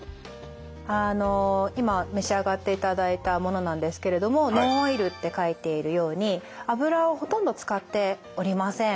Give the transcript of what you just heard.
あの今召し上がっていただいたものなんですけれどもノンオイルって書いているように油をほとんど使っておりません。